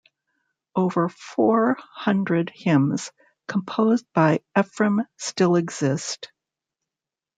Over four hundred hymns composed by Ephrem still exist.